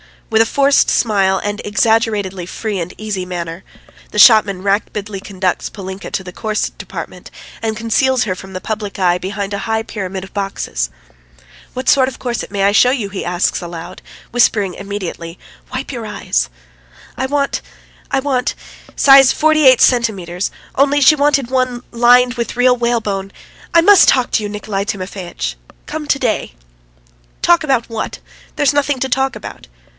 With a forced smile and exaggeratedly free and easy manner, the shopman rapidly conducts Polinka to the corset department and conceals her from the public eye behind a high pyramid of boxes. "What sort of corset may I show you?" he asks aloud, whispering immediately: "Wipe your eyes!" "I want ... I want ... size forty eight centimetres. Only she wanted one, lined ... with real whalebone ... I must talk to you, Nikolay Timofeitch. Come to day!" "Talk? What about? There's nothing to talk about."